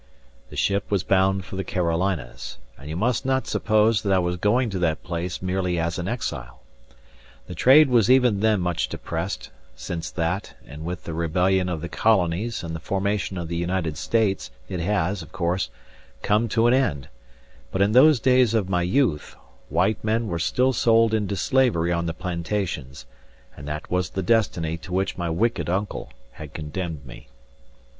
The ship was bound for the Carolinas; and you must not suppose that I was going to that place merely as an exile. The trade was even then much depressed; since that, and with the rebellion of the colonies and the formation of the United States, it has, of course, come to an end; but in those days of my youth, white men were still sold into slavery on the plantations, and that was the destiny to which my wicked uncle had condemned me.